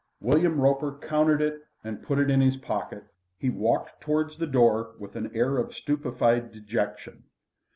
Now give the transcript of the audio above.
William Roper counted it, and put it in his pocket. He walked towards the door with an air of stupefied dejection.